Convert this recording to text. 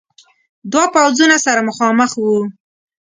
دو پوځونه سره مخامخ ول.